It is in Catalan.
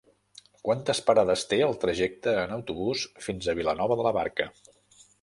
Quantes parades té el trajecte en autobús fins a Vilanova de la Barca?